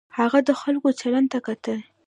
هغه د خلکو چلند ته کتل.